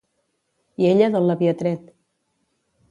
I ella d'on l'havia tret?